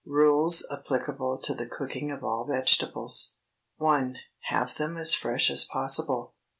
RULES APPLICABLE TO THE COOKING OF ALL VEGETABLES. 1. Have them as fresh as possible.